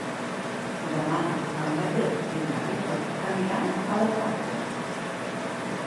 Demà en Mateu i na Rita aniran a la platja.